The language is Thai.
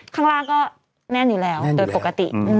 ข้างล่างก็แน่นอยู่แล้วโดยปกติ